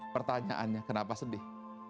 pertanyaannya kenapa sedih